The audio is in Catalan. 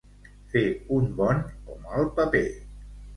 Fer un bon o mal paper.